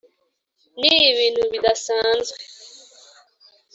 ni ibintu bidasanzwe.